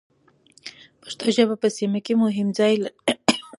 پښتو ژبه په سیمه کې مهم ځای لري.